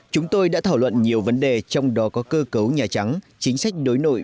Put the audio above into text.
chúng tôi đã thảo luận nhiều vấn đề trong đó có cơ cấu nhà trắng chính sách đối nội